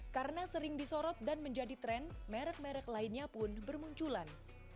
karena sering disorot dan menjadi tren merek merek lainnya pun bermunculan